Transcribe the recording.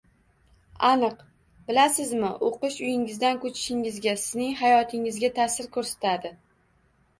Aniq. Bilasizmi, oʻqish uyingizdan koʻchishingizga, sizning hayotingizga taʼsir koʻrsatadi.